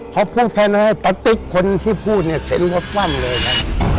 เพราะพวกแฟนบ้านเต็มตะติ๊กคนที่พูดเห็นว่าพร่ำเลยนะ